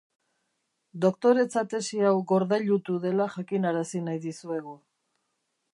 Doktoretza tesi hau gordailutu dela jakinarazi nahi dizuegu.